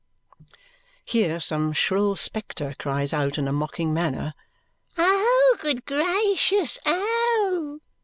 Here some shrill spectre cries out in a mocking manner, "Oh, good gracious! Oh!"